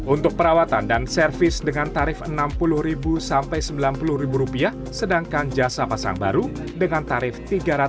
untuk perawatan dan servis dengan tarif rp enam puluh sampai rp sembilan puluh sedangkan jasa pasang baru dengan tarif